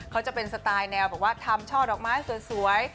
เขาจะเป็นสไตล์แนวบอกว่าทำช่อดอกไม้สวย